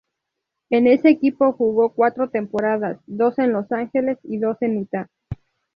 En ese equipo jugó cuatro temporadas, dos en Los Angeles y dos en Utah.